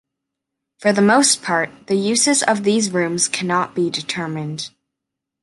For the most part, the uses of these rooms cannot be determined.